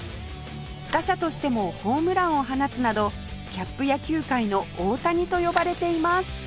打者としてもホームランを放つなどキャップ野球界の大谷と呼ばれています